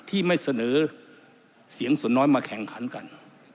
ที่ไม่เสนอเสียงส่วนน้อยมาแข่งขันกัน